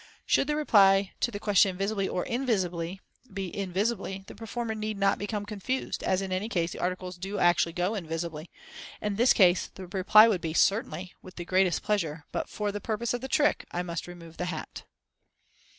Should the reply to the question, "Visibly or invisibly?" be "Invisibly," the performer need not become confused, as in any case the articles do actually go invisibly. In this case the reply would be, "Certainly, with the greatest pleasure, but for the purpose of the trick I must remove the hat."